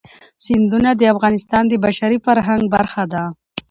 سیندونه د افغانستان د بشري فرهنګ برخه ده.